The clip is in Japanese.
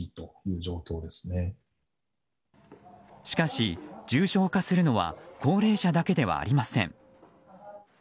しかし、重症化するのは高齢者だけではありません。